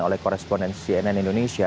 oleh koresponden cnn indonesia